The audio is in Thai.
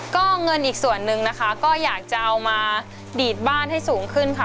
ก็เงินอีกส่วนนึงนะคะก็อยากจะเอามาดีดบ้านให้สูงขึ้นค่ะ